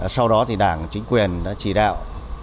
sau đó đảng chính quyền đã chỉ đạo